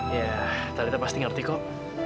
ya talenta pasti ngerti kok